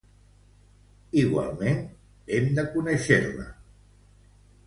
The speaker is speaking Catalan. Igualment, hem de conèixer-la.